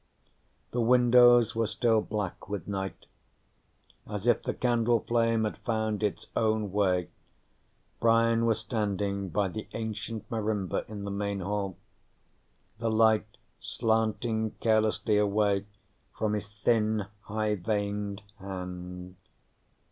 The windows were still black with night. As if the candle flame had found its own way, Brian was standing by the ancient marimba in the main hall, the light slanting carelessly away from his thin, high veined hand.